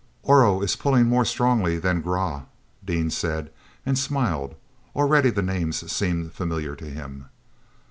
"Oro is pulling more strongly than Grah," Dean said, and smiled. Already the names seemed familiar to him.